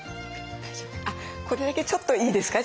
これだけちょっといいですか？